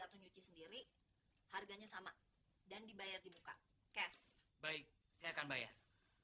atau nyuci sendiri harganya sama dan dibayar di muka cash baik saya akan bayar